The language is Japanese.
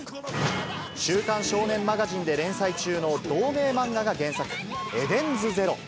週刊少年マガジンで連載中の同名漫画が原作、エデンズゼロ。